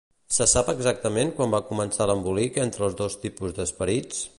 Se sap exactament quan va començar l'embolic entre els dos tipus d'esperits?